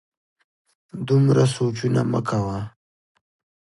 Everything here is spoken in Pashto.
دومره سوچونه مه کوه